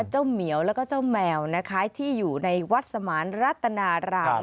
เจ้าเหมียวและเจ้าแมวที่อยู่ในวัดสมาร์นรัฐนาราม